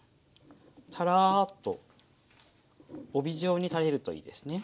タラーッと帯状に垂れるといいですね。